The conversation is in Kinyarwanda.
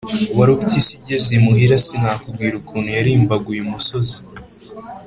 Warupyisi igeze imuhira sinakubwira ukuntu yarimbaguye umusozi